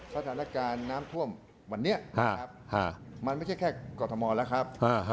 สถานการณ์น้ำถวมวันนี้ครับมันไม่ใช่แค่กฏมอล์แล้วครับ